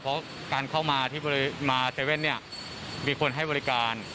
เพราะการเข้ามาที่๗๑๑มีคนให้บริการ